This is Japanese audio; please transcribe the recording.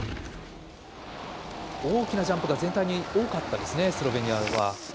大きなジャンプが全体に多かったですねスロベニアは。